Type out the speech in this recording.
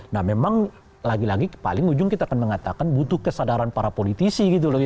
nah memang lagi lagi paling ujung kita akan mengatakan butuh kesadaran para politisi gitu loh